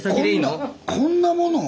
こんなものを？